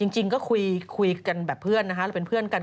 จริงก็คุยกันแบบเพื่อนนะคะเราเป็นเพื่อนกัน